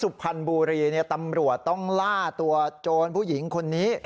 ส่วนที่สุภัณฑ์บูรีตำรวจต้องล่าตัวโจรผู้หญิงคนนี้